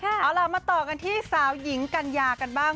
เอาล่ะมาต่อกันที่สาวหญิงกัญญากันบ้าง